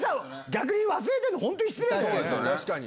逆に忘れてるの、本当に失礼確かに。